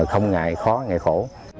không ngại khó ngại khổ